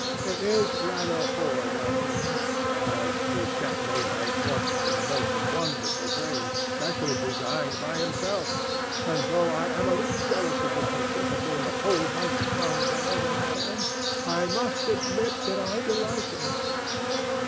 It is rather horrid of me, as he has sent me my portrait in the most wonderful frame, specially designed by himself, and, though I am a little jealous of the picture for being a whole month younger than I am, I must admit that I delight in it.